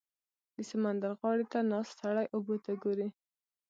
• د سمندر غاړې ته ناست سړی اوبو ته ګوري.